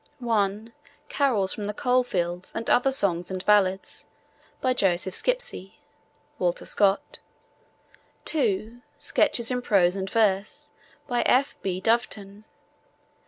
(1) Carols from the Coal Fields, and Other Songs and Ballads. By Joseph Skipsey. (Walter Scott.) (2) Sketches in Prose and Verse. By F. B. Doveton.